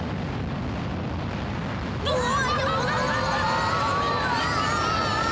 うわ！